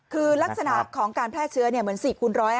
คือลักษณะของการแพร่เชื้อเหมือน๔คูณ๑๕